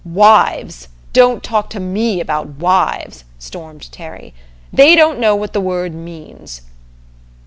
"Wives! Don't talk to me about wives!" stormed Terry. "They don't know what the word means."